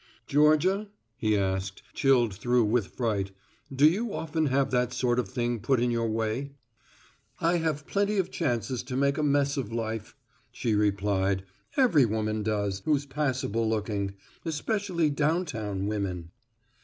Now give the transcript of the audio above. "Georgia," he asked, chilled through with fright, "do you often have that sort of thing put in your way?" "I have plenty of chances to make a mess of life," she replied, "every woman does, who's passable looking, especially downtown women."